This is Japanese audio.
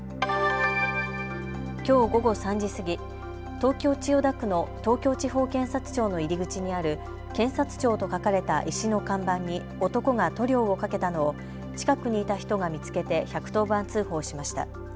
きょう午後３時過ぎ、東京千代田区の東京地方検察庁の入り口にある検察庁と書かれた石の看板に男が塗料をかけたのを近くにいた人が見つけて１１０番通報しました。